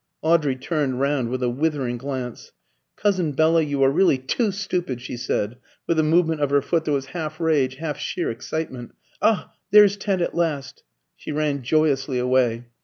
Audrey turned round with a withering glance. "Cousin Bella, you are really too stupid!" she said, with a movement of her foot that was half rage, half sheer excitement. "Ah, there's Ted at last!" She ran joyously away.